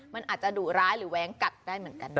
มันอาจจะดุร้ายหรือแว้งกัดได้เหมือนกันนะ